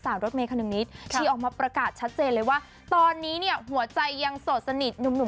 หนึ่งนู่นครี้ออกมาประกาศชัดเจนเลยว่าตอนนี้เนี่ยหัวใจยังสดสนิทหนุ่ม